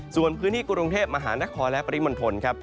ส่วนพื้นที่กรุงเทพมหานครและปริมณฑลครับ